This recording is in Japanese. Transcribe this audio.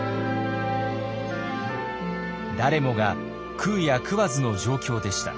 誰もが食うや食わずの状況でした。